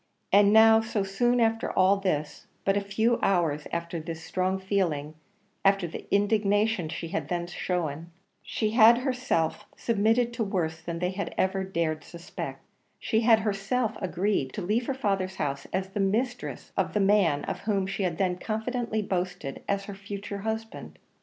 And now so soon after all this but a few hours after this strong feeling after the indignation she had then shown, she had herself submitted to worse than they had even dared to suspect; she had herself agreed to leave her father's house as the mistress of the man, of whom she had then confidently boasted as her future husband!